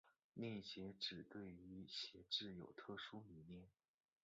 恋鞋指对于鞋子有特殊迷恋。